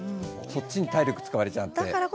そっちに体力が使われちゃって。